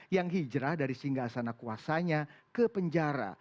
yang hijrah dari singgah sana kuasanya ke penjara